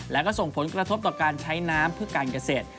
และก็ส่งผลกระทบต่อการใช้น้ำเพื่อการเกษตร